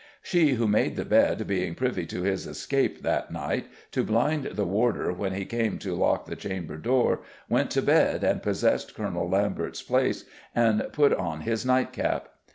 "She who made the bed being privy to his escape, that night, to blind the warder when he came to lock the chamber door, went to bed, and possessed Colonel Lambert's place and put on his night cap."